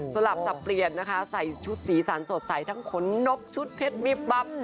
สลับสับเปลี่ยนนะคะใส่ชุดสีสันสดใสทั้งขนนกชุดเพชรวิบบับ